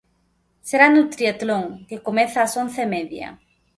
Será no tríatlon, que comeza ás once e media.